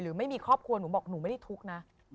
ไม่มีครอบครัวหนูบอกหนูไม่ได้ทุกข์นะ